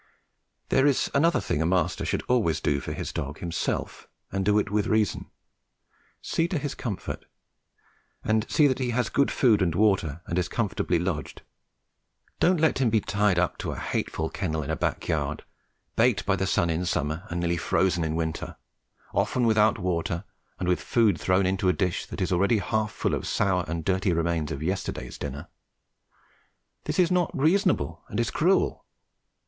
There is another thing a master should always do for his dog himself and do it with reason. See to his comfort; see that he has good food and water and is comfortably lodged. Don't let him be tied up to a hateful kennel in a back yard, baked by the sun in summer and nearly frozen in winter; often without water, and with food thrown into a dish that is already half full of sour and dirty remains of yesterday's dinner. This is not reasonable and is cruel.